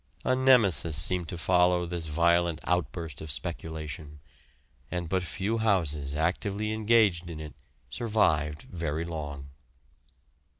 A Nemesis seemed to follow this violent outburst of speculation, and but few houses actively engaged in it survived very long.